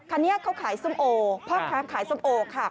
คันนี้เขาขายสมโอเพราะเขาขายสมโอค่ะ